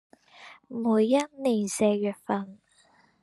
每一年四月份